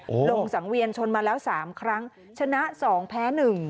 หลงสังเวียนชนมาแล้ว๓ครั้งชนะ๒แพ้๑